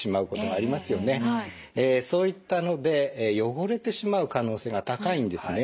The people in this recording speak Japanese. そういったので汚れてしまう可能性が高いんですね。